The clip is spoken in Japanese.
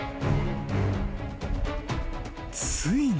［ついに］